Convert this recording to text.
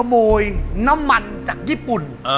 ขโมยน้ำมันจากญี่ปุ่น